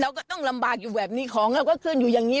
ก็ต้องลำบากอยู่แบบนี้ของเราก็ขึ้นอยู่อย่างนี้